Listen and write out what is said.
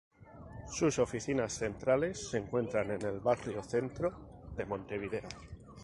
Su oficinas centrales se encuentra en el Barrio Centro de Montevideo.